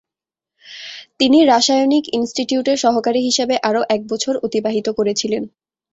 তিনি রাসায়নিক ইনস্টিটিউটের সহকারী হিসাবে আরও এক বছর অতিবাহিত করেছিলেন।